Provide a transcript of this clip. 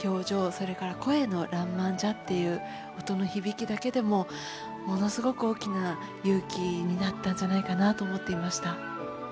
それから声の「らんまんじゃ」という音の響きだけでもものすごく大きな勇気になったんじゃないかなと思っていました。